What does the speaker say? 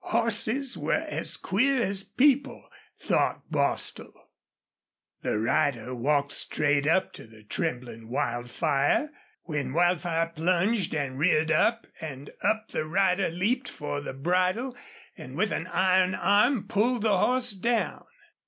Horses were as queer as people, thought Bostil. The rider walked straight up to the trembling Wildfire. When Wildfire plunged and reared up and up the rider leaped for the bridle and with an iron arm pulled the horse down.